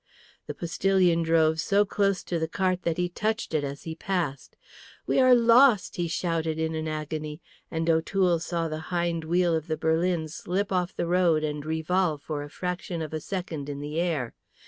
The postillion drove so close to the cart that he touched it as he passed. "We are lost!" he shouted in an agony; and O'Toole saw the hind wheel of the berlin slip off the road and revolve for the fraction of a second in the air.